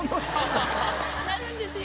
なるんですよ。